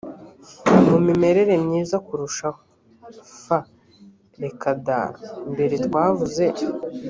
mu mimerere myiza kurushaho f reka da mbere twavuze